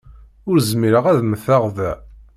Ur zmireɣ ad mmteɣ da.